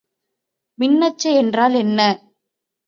மின்னச்சு என்றால் என்ன?